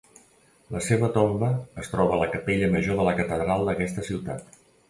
La seva tomba es troba a la Capella Major de la Catedral d'aquesta ciutat.